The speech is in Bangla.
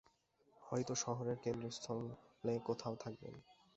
হয়তো শহরের কেন্দ্রস্থলে কোথাও থাকবেন।